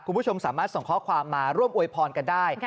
คุณผู้ชมสามารถส่งข้อความมาร่วมอวยพรกันได้